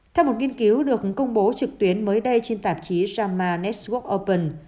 theo một nghiên cứu được công bố trực tuyến mới đây trên tạp chí jama network open